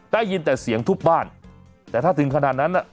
ได้ยินแต่เสียงทุบบ้านแต่ถ้าถึงขนาดนั้นน่ะ